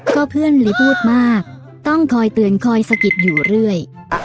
ก็เพื่อนหลีพูดมากต้องคอยเตือนคอยสะกิดอยู่เรื่อย